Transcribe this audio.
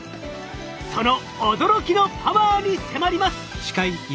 その驚きのパワーに迫ります！